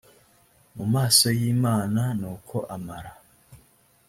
mu maso y imana nuko amara